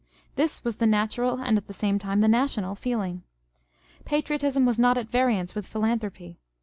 This was the natural and at the same time the national feeling. Patriotism was not at variance with philanthropy.